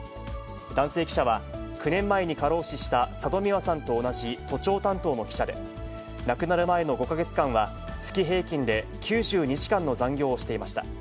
男性記者は、９年前に過労死した佐戸未和さんと同じ都庁担当の記者で、亡くなる前の５か月間は、月平均で９２時間の残業をしていました。